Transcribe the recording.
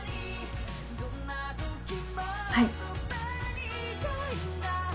はい。